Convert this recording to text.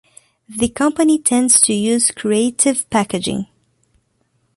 The company tends to use creative packaging.